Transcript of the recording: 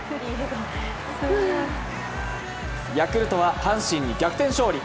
ヤクルトは阪神に逆転勝利。